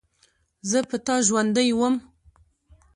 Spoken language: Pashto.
زه په تا ژوندۍ وم.